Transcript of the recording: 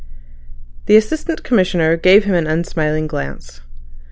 The Assistant Commissioner gave him an unsmiling glance.